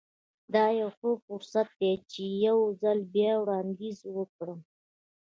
دا يو ښه فرصت دی چې يو ځل بيا وړانديز وکړم.